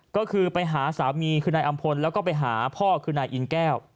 ก็คือไปหาสามีคือนายอำพลแล้วก็ไปหาพ่อคือนายอินแก้ว